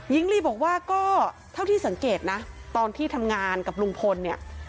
หญิงลีบอกว่าก็เท่าที่สังเกตนะตอนที่ทำงานกับลุงพลเนี่ย